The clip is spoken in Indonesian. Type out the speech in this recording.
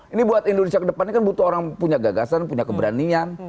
ini buat indonesia kedepannya kan butuh orang punya gagasan punya keberanian